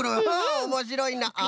おもしろいな。